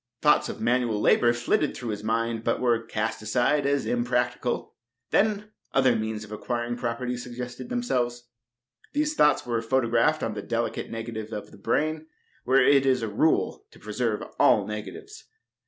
Thoughts of manual labor flitted through his mind, but were cast aside as impracticable. Then other means of acquiring property suggested themselves. These thoughts were photographed on the delicate negative of the brain, where it is a rule to preserve all negatives.